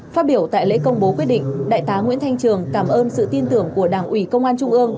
phát biểu tại lễ công bố quyết định đại tá nguyễn thanh trường cảm ơn sự tin tưởng của đảng ủy công an trung ương